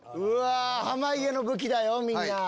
濱家の武器だよみんな。